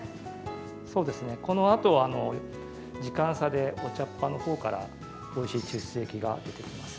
そうですね、このあと時間差で、お茶っ葉のほうからおいしい抽出液が出てきます。